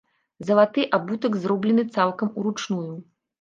Залаты абутак зроблены цалкам уручную.